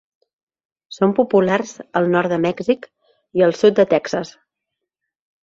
Són populars al nord de Mèxic i al sud de Texas.